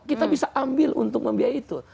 kita bisa ambil untuk membiayai itu